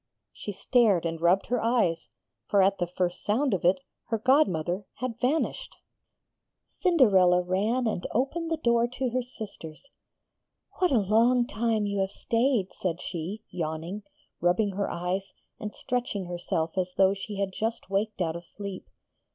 She stared and rubbed her eyes, for at the first sound of it her godmother had vanished! Cinderella ran and opened the door to her sisters. 'What a long time you have stayed,' said she, yawning, rubbing her eyes, and stretching herself as though she had just waked out of sleep.